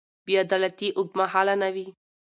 بې عدالتي اوږدمهاله نه وي